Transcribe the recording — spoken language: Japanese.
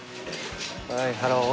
ハロー。